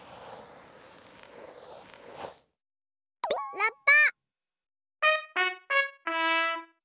ラッパ！